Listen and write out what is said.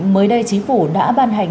mới đây chí phủ đã ban hành